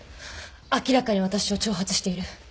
明らかに私を挑発している。